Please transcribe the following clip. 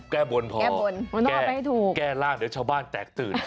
แก้บนพอแก้ร่างเดี๋ยวชาวบ้านแตกตื่น